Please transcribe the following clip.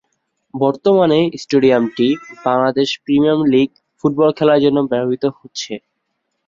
বর্তমানে স্টেডিয়ামটি Bangladesh premier league football খেলার জন্য ব্যবহৃত হচ্ছে।